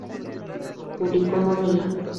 Publicó Novela.